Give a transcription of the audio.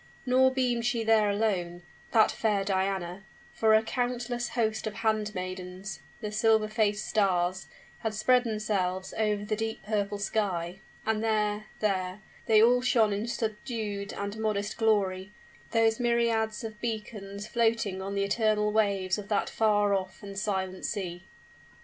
Nor beamed she there alone that fair Diana; for a countless host of handmaidens the silver faced stars had spread themselves over the deep purple sky; and there there they all shone in subdued and modest glory those myriads of beacons floating on the eternal waves of that far off and silent sea!